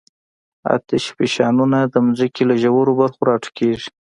آتشفشانونه د ځمکې له ژورو برخو راټوکېږي.